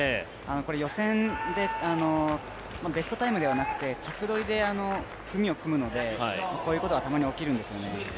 予選でベストタイムではなくて着どりで組を組むので、こういうことがたまに起きるんですよね。